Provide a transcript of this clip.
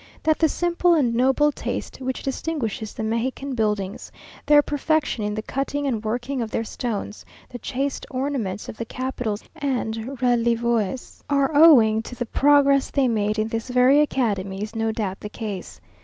That the simple and noble taste which distinguishes the Mexican buildings, their perfection in the cutting and working of their stones, the chaste ornaments of the capitals and relievoes, are owing to the progress they made in this very Academy is no doubt the case.